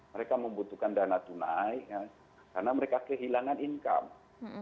mereka membutuhkan dana tunai karena mereka kehilangan income